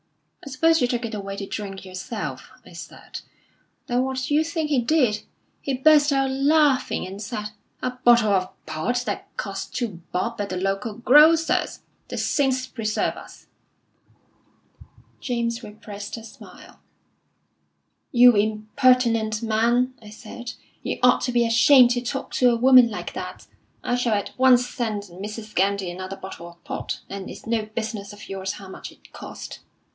'I suppose you took it away to drink yourself?' I said. Then what d'you think he did? He burst out laughing, and said: 'A bottle of port that cost two bob at the local grocer's! The saints preserve us!'" James repressed a smile. "'You impertinent man!' I said. 'You ought to be ashamed to talk to a woman like that. I shall at once send Mrs. Gandy another bottle of port, and it's no business of yours how much it cost.'